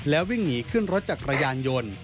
แล้ววิ่งหนีขึ้นรถจักรยานยนต์